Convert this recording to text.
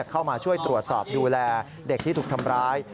เข้ามาช่วยตรวจสอบดูแลเด็กที่ถูกทำร้าย